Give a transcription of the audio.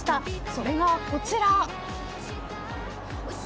それがこちら。